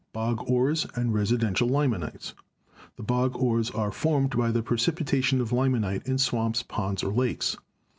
bog ores and residual limonites. The bog ores are formed by the precipitation of limonite 282 GEOLOGY in swamps, ponds, or lakes.